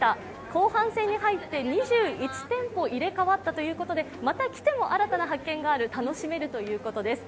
後半戦に入って２１店舗入れ替わったということで、また来ても新たな発見がある楽しめるということです。